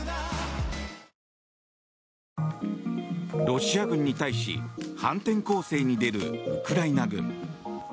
ロシア軍に対し反転攻勢に出るウクライナ軍。